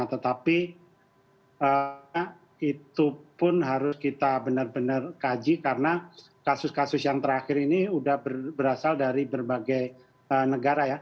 tetapi itu pun harus kita benar benar kaji karena kasus kasus yang terakhir ini sudah berasal dari berbagai negara ya